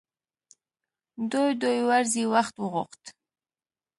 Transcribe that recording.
دوی دوې ورځې وخت وغوښت.